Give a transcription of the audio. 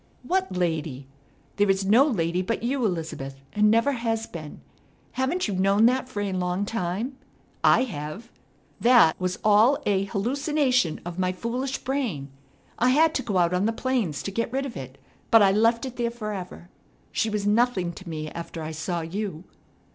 "What lady? There is no lady but you, Elizabeth, and never has been. Haven't you known that for a long time? I have. That was all a hallucination of my foolish brain. I had to go out on the plains to get rid of it, but I left it there forever. She was nothing to me after I saw you."